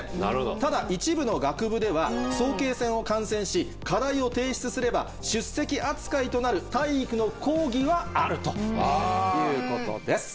ただ一部の学部では早慶戦を観戦し課題を提出すれば出席扱いとなる体育の講義はあるということです。